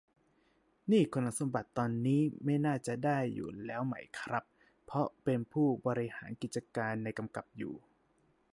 นี่คุณสมบัติตอนนี้ไม่น่าจะได้อยู่แล้วไหมครับ เพราะเป็นผู้บริหารกิจการในกำกับอยู่